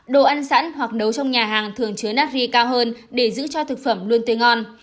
đồ ăn sẵn hoặc nấu trong nhà hàng thường chứa northi cao hơn để giữ cho thực phẩm luôn tươi ngon